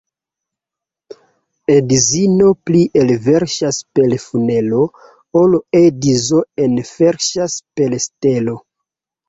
Edzino pli elverŝas per funelo, ol edzo enverŝas per sitelo.